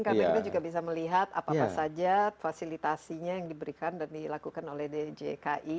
karena kita juga bisa melihat apa apa saja fasilitasinya yang diberikan dan dilakukan oleh dgki